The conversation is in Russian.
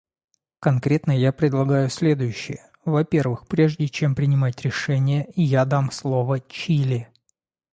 Конкретно я предлагаю следующее: во-первых, прежде чем принимать решение, я дам слово Чили.